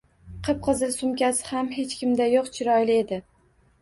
Qip-qizil sumkasi ham hech kimda yo‘q — chiroyli edi.